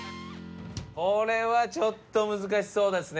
これはちょっと難しそうですね。